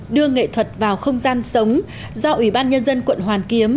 đưa nghệ thuật vào không gian sống do ủy ban nhân dân quận hoàn kiếm